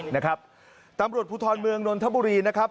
นะครับตำรวจภูทรเมืองนนทบุรีนะครับ